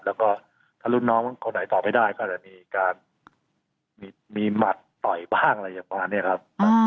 แล้วก็ถ้ารุ่นน้องคนไหนตอบไม่ได้ก็อาจจะมีการมีหมัดต่อยบ้างอะไรประมาณนี้ครับ